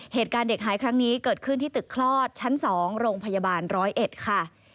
เหตุการณ์เด็กหายครั้งนี้เกิดขึ้นที่ตึกคลอดชั้น๒โรงพยาบาล๑๐๑ค่ะ